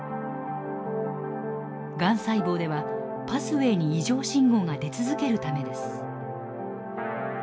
がん細胞ではパスウェーに異常信号が出続けるためです。